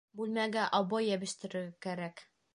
Бүлмәгә обой йәбештерергә кәрәк